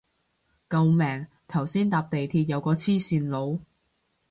救命頭先搭地鐵有個黐線佬